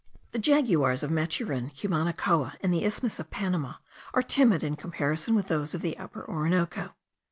The jaguars of Maturin, Cumanacoa, and the isthmus of Panama, are timid in comparison of those of the Upper Orinoco.